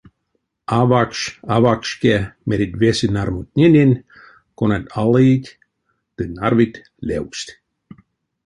Авакш, авакшке мерить весе нармунтненень, конат алыить ды нарвить левкст.